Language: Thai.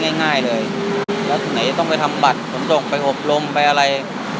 แล้วไหนต้องไปทำบัตรตรงไปอบรมไปอะไร